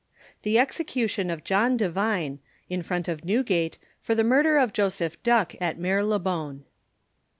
THE EXECUTION OF JOHN DEVINE, In front of Newgate, for the Murder of JOSEPH DUCK, at Marylebone.